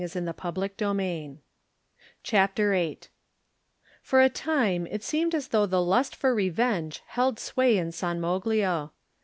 Digitized by Google CHAPTER Vm FOR a time it seemed as though the lust for revenge held sway in San Moglio.